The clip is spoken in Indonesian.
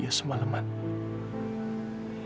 dan aku akan kehilangan ratu lagi